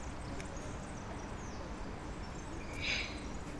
O wiʼi , naa Bakari maayi, haa maayo ladde. ɓe ŋgartiri mo.